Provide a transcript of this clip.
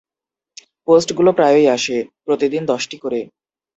পোস্টগুলো প্রায়ই আসে - প্রতিদিন দশটি করে।